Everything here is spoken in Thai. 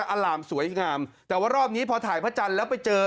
อล่ามสวยงามแต่ว่ารอบนี้พอถ่ายพระจันทร์แล้วไปเจอ